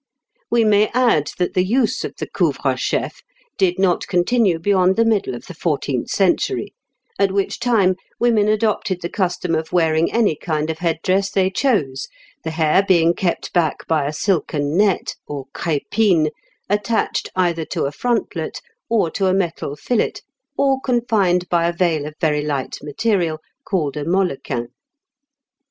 We may add that the use of the couvre chef did not continue beyond the middle of the fourteenth century, at which time women adopted the custom of wearing any kind of head dress they chose, the hair being kept back by a silken net, or crépine, attached either to a frontlet, or to a metal fillet, or confined by a veil of very light material, called a mollequin (Fig.